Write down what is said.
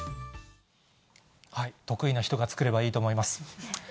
得意な人が作ればいいと思います。